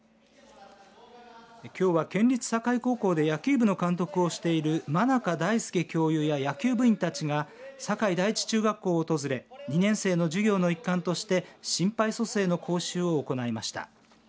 きょうは県立境高校の野球部の監督をしている間中大介教諭や野球部員たちが境第一中学校を訪れ２年生の授業の一環として心肺蘇生の講習を行いました。